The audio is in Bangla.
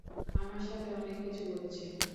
আমার সাথে অনেককিছু ঘটছে।